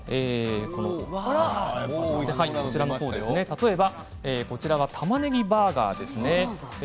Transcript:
例えば、たまねぎバーガーですね。